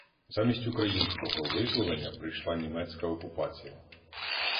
Замість українського визволення прийшла німецька окупація.